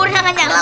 udah gak nyala